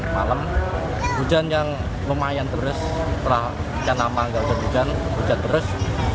malam hujan yang lumayan terus setelah hujan lama nggak hujan hujan terus